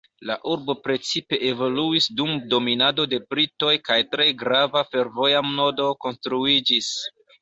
La urbo precipe evoluis dum dominado de britoj kaj tre grava fervoja nodo konstruiĝis.